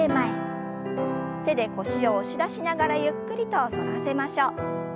手で腰を押し出しながらゆっくりと反らせましょう。